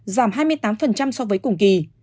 giảm hai mươi tám so với cùng kỳ